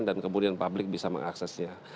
dan kemudian publik bisa mengaksesnya